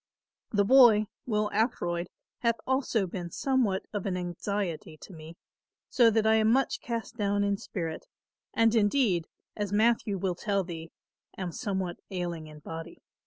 The boy, Will Ackroyd, hath also been somewhat of an anxiety to me, so that I am much cast down in spirit and indeed as Matthew will tell thee am somewhat ailing in body.